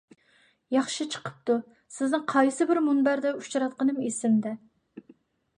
ياخشى چىقىپتۇ، سىزنى قايسى بىر مۇنبەردە ئۇچراتقىنىم ئېسىمدە.